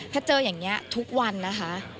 ถ้าเจออย่างนี้ทุกวันนะคะ